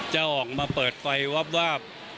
จะออกมาเปิดไฟวาบ